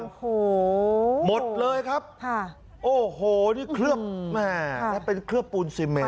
โอ้โหหมดเลยครับค่ะโอ้โหนี่เคลือบแม่และเป็นเคลือบปูนซีเมน